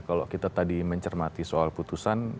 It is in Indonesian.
kalau kita tadi mencermati soal putusan